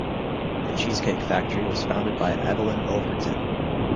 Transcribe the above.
The Cheesecake Factory was founded by Evelyn Overton.